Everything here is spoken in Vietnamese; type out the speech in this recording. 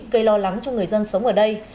gây lo lắng cho người dân sống ở đây